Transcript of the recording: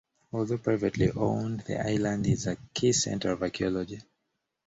Although privately owned, the island is a key center of archaeology.